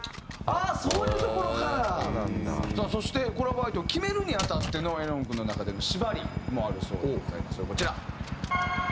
ああそういうところから？さあそしてコラボ相手を決めるに当たっての絵音君の中での縛りもあるそうでございますがこちら。